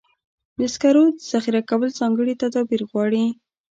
د سکرو ذخیره کول ځانګړي تدابیر غواړي.